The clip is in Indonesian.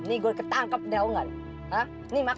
nih gue ketangkep tau gak nih hah